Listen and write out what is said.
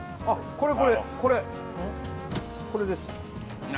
これこれこれこれです何？